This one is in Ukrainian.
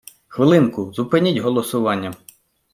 Хвилинку, зупиніть голосування!